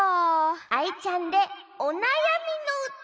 アイちゃんで「おなやみのうた」！